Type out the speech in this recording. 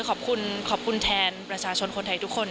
ขอบคุณแทนประชาชนคนไทยทุกคน